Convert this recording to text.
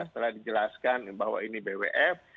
setelah dijelaskan bahwa ini bwf